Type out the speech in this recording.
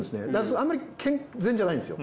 あんまり健全じゃないんですよ。